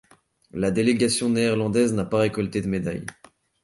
La délégation néerlandaise n'a pas récolté de médaille.